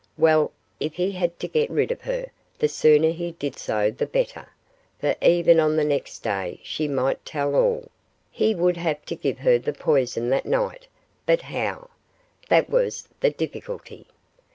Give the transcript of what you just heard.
Well, if he had to get rid of her, the sooner he did so the better, for even on the next day she might tell all he would have to give her the poison that night but how? that was the difficulty.